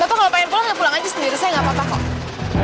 bapak kalau pengen pulang ya pulang aja sendiri saya gak apa apa kok